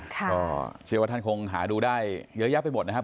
ก็เชื่อว่าท่านคงหาดูได้เยอะแยะไปหมดนะครับ